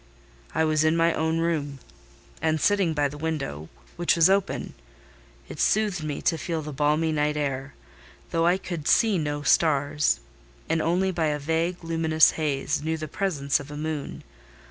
"I was in my own room, and sitting by the window, which was open: it soothed me to feel the balmy night air; though I could see no stars and only by a vague, luminous haze, knew the presence of a moon.